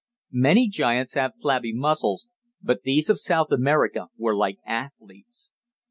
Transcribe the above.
Many giants have flabby muscles, but these of South America were like athletes.